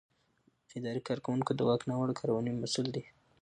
اداري کارکوونکی د واک ناوړه کارونې مسؤل دی.